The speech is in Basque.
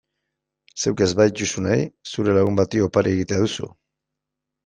Zeuk ez badituzu nahi zure lagun bati opari egitea duzu.